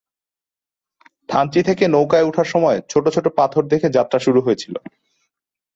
থানচি থেকে নৌকায় উঠার সময় ছোটছোট পাথর দেখে যাত্রা শুরু হয়েছিল।